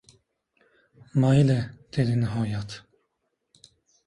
— Mayli, — dedi nihoyat.